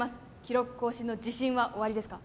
記録更新の自信はおありですか？